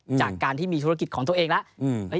จากการที่มีธุรกิจของตัวเองแล้ว